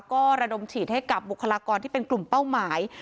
ก็ระดมฉีดให้กับบุคลากรที่เป็นกลุ่มเป้าหมาย